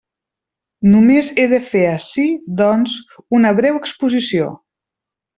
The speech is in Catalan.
Només he de fer ací, doncs, una breu exposició.